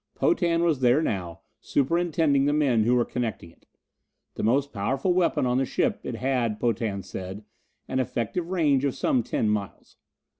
Potan was there now, superintending the men who were connecting it. The most powerful weapon on the ship, it had, Potan said, an effective range of some ten miles.